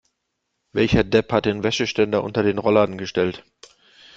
Welcher Depp hat den Wäscheständer unter den Rollladen gestellt?